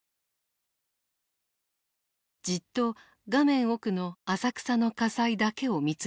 じっと画面奥の浅草の火災だけを見つめている。